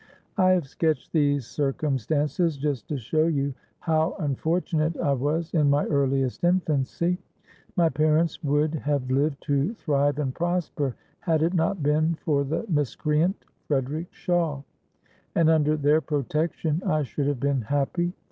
"I have sketched these circumstances just to show you how unfortunate I was in my earliest infancy. My parents would have lived to thrive and prosper had it not been for the miscreant Frederick Shawe; and under their protection I should have been happy.